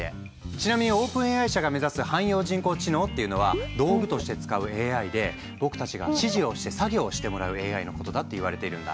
ちなみにＯｐｅｎＡＩ社が目指す汎用人工知能っていうのは道具として使うＡＩで僕たちが指示をして作業をしてもらうＡＩのことだっていわれているんだ。